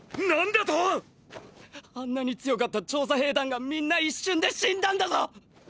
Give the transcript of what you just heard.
⁉何だと⁉あんなに強かった調査兵団がみんな一瞬で死んだんだぞ